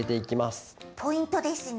ポイントですね。